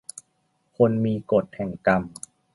คนมีกฎแห่งกรรม